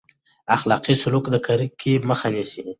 اخلاقي سلوک د کرکې مخه نیسي.